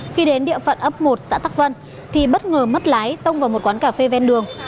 khi đến địa phận ấp một xã tắc vân thì bất ngờ mất lái tông vào một quán cà phê ven đường